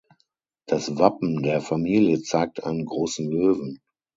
Das Wappen der Familie zeigt einen großen Löwen.